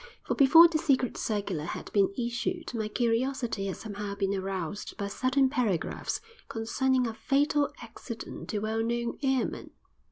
For before the secret circular had been issued my curiosity had somehow been aroused by certain paragraphs concerning a "Fatal Accident to Well known Airman."